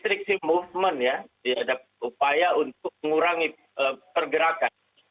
striksi movement ya dihadap upaya untuk mengurangi pergerakan